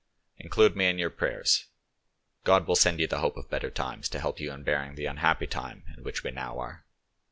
Include me in your Prayers; God will send you the hope of better times to help you in bearing the unhappy time in which we now are.